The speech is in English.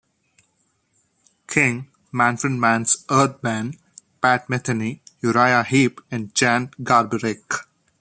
King, Manfred Mann's Earth Band, Pat Metheny, Uriah Heep and Jan Garbarek.